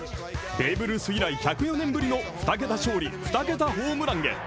ベーブ・ルース以来１０４年ぶりの２桁勝利２桁ホームランへ。